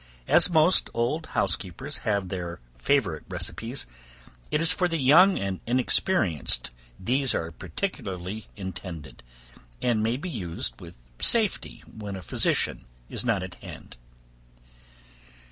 As most old housekeepers have their favorite recipes, it is for the young and inexperienced these are particularly intended, and may be used with safety, when a physician is not at hand.